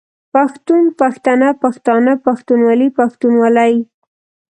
پښتون، پښتنه، پښتانه، پښتونولي، پښتونولۍ